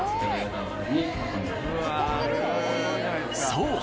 そう。